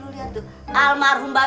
lo liat tuh